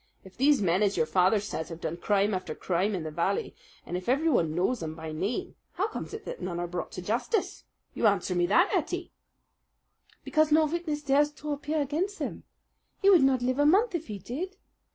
If these men, as your father says, have done crime after crime in the valley, and if everyone knows them by name, how comes it that none are brought to justice? You answer me that, Ettie!" "Because no witness dares to appear against them. He would not live a month if he did.